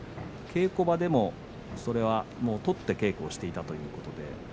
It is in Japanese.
稽古場でも、それを取って稽古をしていたということです。